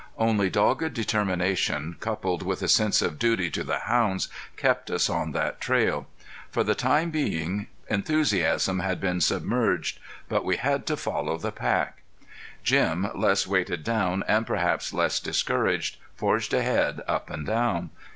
Only dogged determination coupled with a sense of duty to the hounds kept us on that trail. For the time being enthusiasm had been submerged. But we had to follow the pack. Jim, less weighted down and perhaps less discouraged, forged ahead up and down.